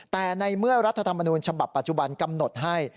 แต่ในเมื่อรัฐธรรมนูญฉบับปัจจุบันกำหนดให้